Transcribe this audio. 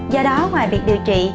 do đó ngoài việc điều trị